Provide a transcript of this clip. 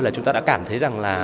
là chúng ta đã cảm thấy rằng là